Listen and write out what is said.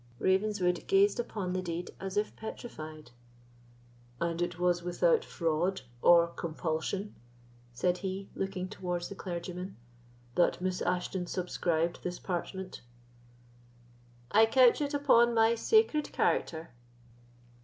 Ravenswood gazed upon the deed as if petrified. "And it was without fraud or compulsion," said he, looking towards the clergyman, "that Miss Ashton subscribed this parchment?" "I couch it upon my sacred character."